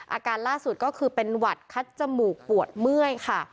อาการล่าสุดก็คือเป็นหวัดคัดจมูกปวดเมื่อยค่ะ